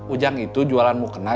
ujang itu jualan mukena